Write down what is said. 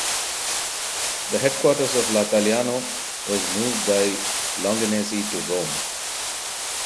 The headquarters of "L’Italiano" was moved by Longanesi to Rome.